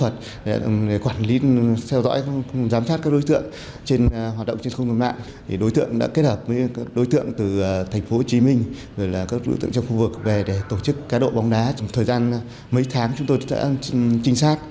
các đối tượng trong khu vực về để tổ chức cá độ bóng đá trong thời gian mấy tháng chúng tôi đã trinh sát